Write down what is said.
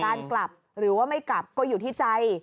กลับหรือว่าไม่กลับก็อยู่ที่ใจ